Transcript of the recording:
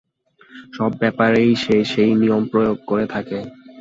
সব ব্যাপারেই সে সেই নিয়ম প্রয়োগ করে থাকে।